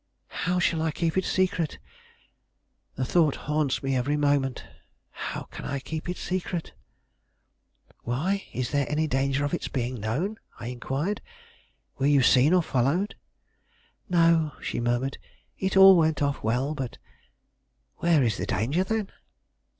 "How shall I keep it secret! The thought haunts me every moment; how can I keep it secret!" "Why, is there any danger of its being known?" I inquired. "Were you seen or followed?" "No," she murmured. "It all went off well, but " "Where is the danger, then?"